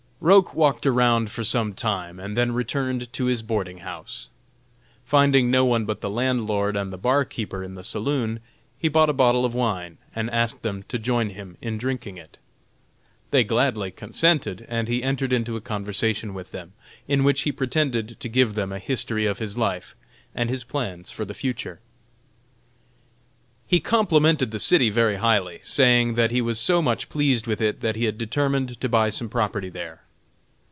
_ Roch walked around for some time, and then returned to his boarding house. Finding no one but the landlord and the bar keeper in the saloon, he bought a bottle of wine, and asked them to join him in drinking it. They gladly consented, and he entered into a conversation with them, in which he pretended to give them a history of his life, and his plans for the future. He complimented the city very highly, saying that he was so much pleased with it that he had determined to buy some property there.